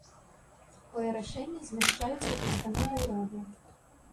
Такое рашэнне змяшчаецца ў пастанове ўрада.